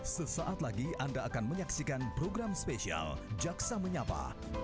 sesaat lagi anda akan menyaksikan program spesial jaksa menyapa